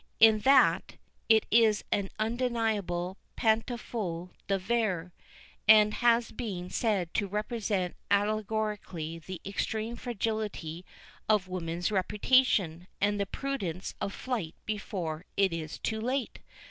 In that, it is an undeniable "pantoufle de verre," and has been said to represent allegorically the extreme fragility of woman's reputation, and the prudence of flight before it is too late.